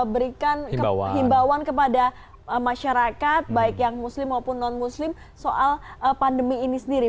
berikan himbauan kepada masyarakat baik yang muslim maupun non muslim soal pandemi ini sendiri